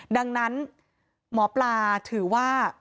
ดังนั้นหมอปลาถือว่า